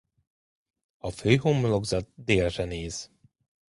A főhomlokzat délre néz.